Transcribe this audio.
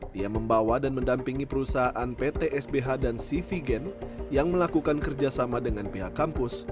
dia membawa dan mendampingi perusahaan pt sbh dan sivigen yang melakukan kerjasama dengan pihak kampus